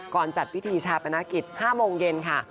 จัดพิธีชาปนกิจ๕โมงเย็นค่ะ